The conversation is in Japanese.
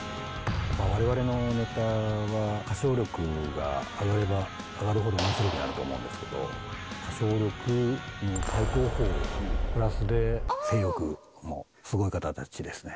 われわれのネタは、歌唱力が上がれば上がるほど、おもしろくなると思うんですけど、歌唱力の最高峰プラスで性欲もすごい方たちですね。